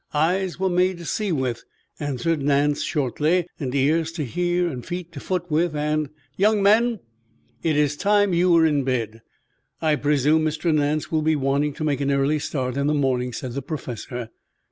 "Eyes were made to see with," answered Nance shortly. "And ears to hear, and feet to foot with, and " "Young men, it is time you were in bed. I presume Mr. Nance will be wanting to make an early start in the morning," said the Professor.